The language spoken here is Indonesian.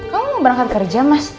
kamu mau berangkat kerja mas